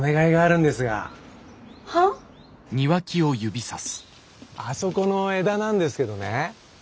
は？あそこの枝なんですけどね